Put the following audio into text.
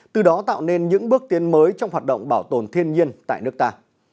từ đó tạo nên những bước tiến mới trong hoạt động bảo tồn thiên nhiên tại nước ta